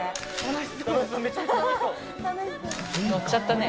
のっちゃったね。